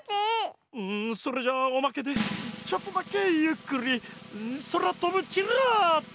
んそれじゃあおまけでちょっとだけゆっくりそらとぶチラッと！